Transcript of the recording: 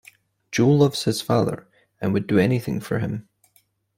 Joe loves his father and would do anything for him.